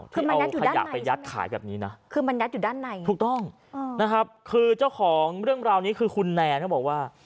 คือเอาขยะไปยัดขายแบบนี้นะคือมันยัดอยู่ด้านในถูกต้องนะครับคือเจ้าของเรื่องราวนี้คือคุณแนนเขาบอกว่า